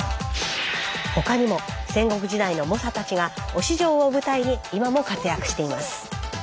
他にも戦国時代の猛者たちが忍城を舞台に今も活躍しています。